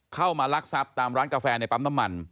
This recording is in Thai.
ลักทรัพย์ตามร้านกาแฟในปั๊มน้ำมัน